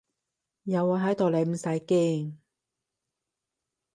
有我喺度你唔使驚